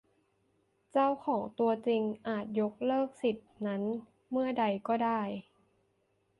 เจ้าของตัวจริงอาจยกเลิกสิทธิ์นั้นเมื่อใดก็ได้